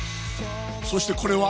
そしてこれは？